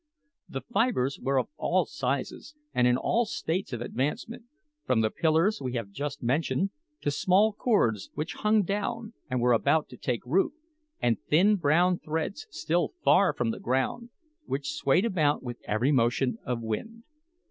The fibres were of all sizes and in all states of advancement, from the pillars we have just mentioned to small cords which hung down and were about to take root, and thin brown threads still far from the ground, which swayed about with every motion of wind.